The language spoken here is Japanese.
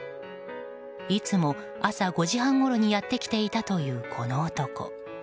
いつも朝５時半ごろにやってきていたというこの男。